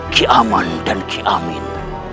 ki aman dan ki amin